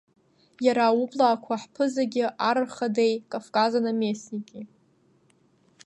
Иара аублаақәа ҳԥызагьы ар рхадеи Кавказ анаместники…